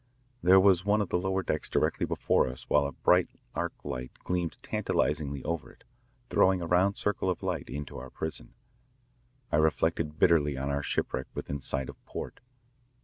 There was one of the lower decks directly before us while a bright arc light gleamed tantalisingly over it, throwing a round circle of light into our prison. I reflected bitterly on our shipwreck within sight of port.